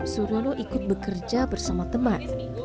surono ikut bekerja bersama teman